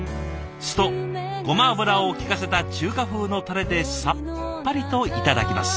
酢とごま油を利かせた中華風のタレでさっぱりといただきます。